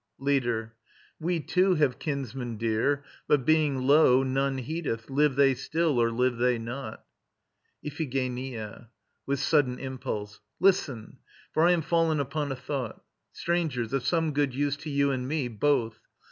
LEADER. We too have kinsmen dear, but, being low, None heedeth, live they still or live they not. IPHIGENIA (WITH SUDDEN IMPULSE). Listen! For I am fallen upon a thought, Strangers, of some good use to you and me, Both.